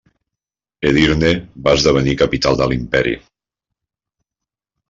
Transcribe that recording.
Edirne va esdevenir capital de l'imperi.